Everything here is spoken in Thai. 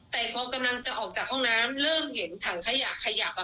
แล้วเจ้าสู้ก็มาบอกกับเพื่อนที่เขาเลือกมาพอดีอ่ะค่ะ